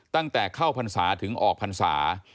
ตั้งแต่เข้าพรรษาถึงออกพรรษา